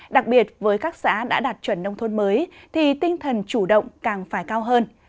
đặc biệt với các xã đã đạt chuẩn nông thôn mới thì tinh thần chủ động càng phải cao hơn